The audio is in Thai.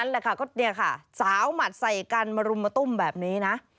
นี่ค่ะสาวหมัดใส่กันมารุมตุ้มแบบนี้นะ